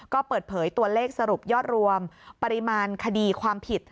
ก็เปิดเผยตัวเลขสรุปยอดรวมปริมาณคดีความผิด